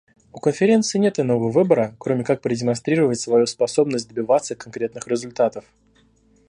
У Конференции нет иного выбора, кроме как продемонстрировать свою способность добиваться конкретных результатов.